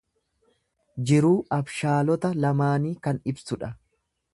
Jiruu abshaalota lamaanii kan ibsudha.